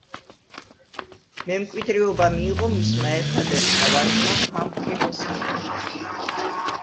მემკვიდრეობა მიიღო მისმა ერთადერთმა ვაჟმა, ჰამფრი მესამემ.